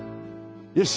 よし。